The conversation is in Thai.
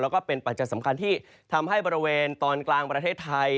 แล้วก็เป็นปัจจัยสำคัญที่ทำให้บริเวณตอนกลางประเทศไทย